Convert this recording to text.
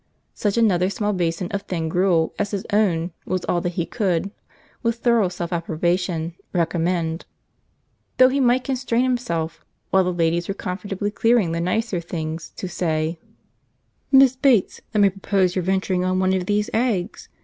Such another small basin of thin gruel as his own was all that he could, with thorough self approbation, recommend; though he might constrain himself, while the ladies were comfortably clearing the nicer things, to say: "Mrs. Bates, let me propose your venturing on one of these eggs.